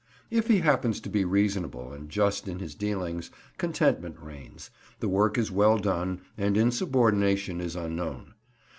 If he happens to be reasonable and just in his dealings, contentment reigns, the work is well done, and insubordination is unknown.